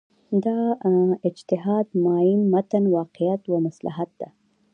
دا اجتهاد میان متن واقعیت و مصلحت ده.